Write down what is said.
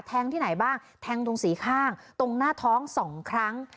ที่ไหนบ้างแทงตรงสี่ข้างตรงหน้าท้องสองครั้ง